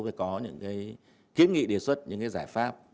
phải có những kiến nghị đề xuất những giải pháp